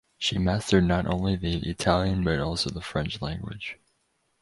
She mastered not only the Italian but also the French language.